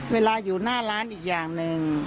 เวลาอยู่หน้าร้านอีกอย่างหนึ่ง